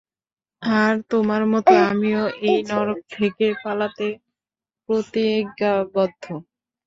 আর তোমার মত আমিও এই নরক থেকে পালাতে প্রতিজ্ঞাবদ্ধ।